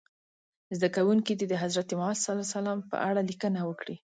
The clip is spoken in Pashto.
زده کوونکي دې د حضرت محمد ص په اړه لیکنه وکړي.